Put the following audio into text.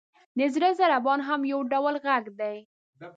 • د زړه ضربان هم یو ډول ږغ دی.